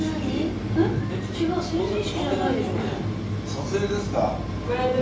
撮影ですか？